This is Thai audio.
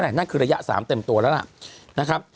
นั่นคือระยะ๓เต็มตัวแล้วล่ะนะครับ